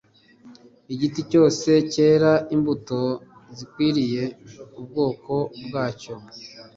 igiti cyose cyere imbuto zikwiriye ubwoko bwacyo